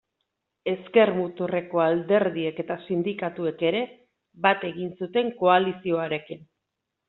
Ezker-muturreko alderdiek eta sindikatuek ere bat egin zuten koalizioarekin.